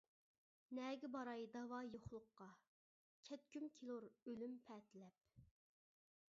نەگە باراي داۋا يوقلۇققا، كەتكۈم كېلۇر ئۆلۈم پەتىلەپ.